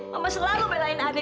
mama selalu belain andri